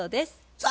さあ